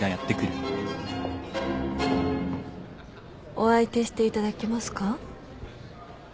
お相手していただけますか？